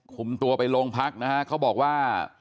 คุมตัวไปโรงพักนะฮะเขาบอกว่า